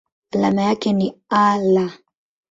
Alama yake ni Al.